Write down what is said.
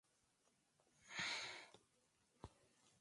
En es traspasado a Boston Celtics a cambio de una futura ronda del draft.